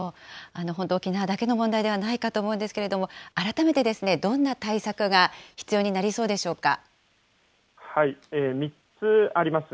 本当、沖縄だけの問題ではないかと思うんですけれども、改めてどんな対３つあります。